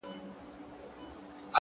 • ستا د عدل او انصاف بلا گردان سم,